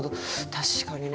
確かにね。